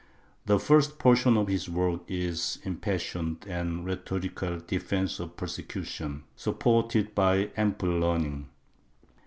The first portion of his work is an impassioned and rhetorical defence of persecution, supported by ample learning.